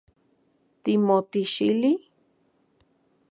¿Timotixili?